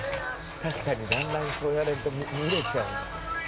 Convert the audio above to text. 「確かにだんだんそう言われると見れちゃう」